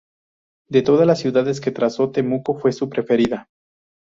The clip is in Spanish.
De todas las ciudades que trazó, Temuco fue su preferida.